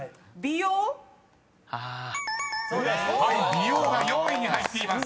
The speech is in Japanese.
［「美容」が４位に入っています。